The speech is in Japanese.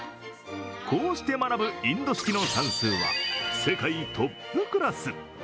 こうして学ぶインド式の算数は世界トップクラス。